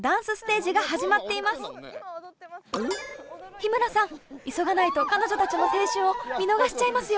日村さん急がないと彼女たちの青春を見逃しちゃいますよ。